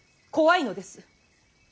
怖いのです。